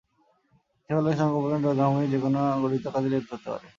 ইচ্ছা করলে সংগোপনে রোজা ভঙ্গের যেকোনো গর্হিত কাজে লিপ্ত হতে পারে।